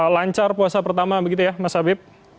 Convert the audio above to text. lancar puasa pertama begitu ya mas habib